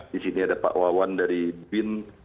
di sini ada pak wawan dari bin